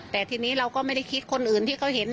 แต่ทีนี้เราก็ไม่ได้คิดคนอื่นที่เขาเห็น